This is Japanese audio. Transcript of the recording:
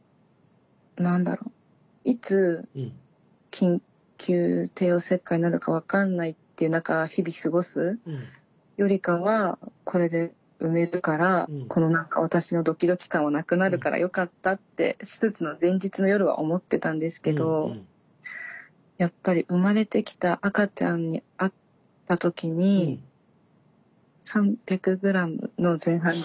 何だろういつ緊急帝王切開になるか分かんないっていう中日々過ごすよりかはこれで産めるからこの私のドキドキ感はなくなるからよかったって手術の前日の夜は思ってたんですけどやっぱり生まれてきた赤ちゃんに会った時に３００ｇの前半で。